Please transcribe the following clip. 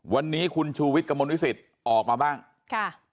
วันนี้คุณชูวิทย์กระมวลวิสิตออกมาบ้างค่ะ